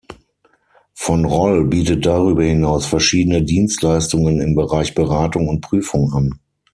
Von Roll bietet darüber hinaus verschiedene Dienstleistungen im Bereich Beratung und Prüfung an.